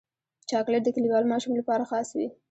چاکلېټ د کلیوال ماشوم لپاره خاص وي.